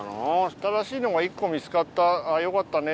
「新しいのが１個見つかったよかったね」